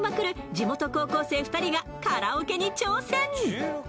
地元高校生２人がカラオケに挑戦。